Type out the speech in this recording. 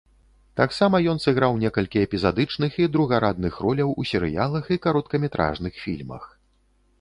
Таксама ён сыграў некалькі эпізадычных і другарадных роляў у серыялах і кароткаметражных фільмах.